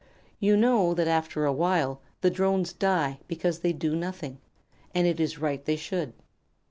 You know that after a while the Drones die because they do nothing, and it is right they should."